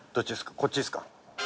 こっちですか？